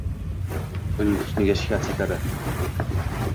uning husniga shikast yetadi.